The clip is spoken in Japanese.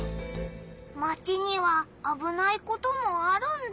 マチにはあぶないこともあるんだ。